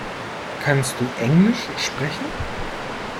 Kannst du englisch sprechen?